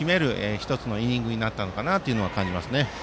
１つのイニングになったのかなというのは感じますね。